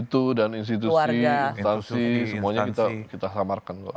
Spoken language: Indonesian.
itu dan institusi semuanya kita samarkan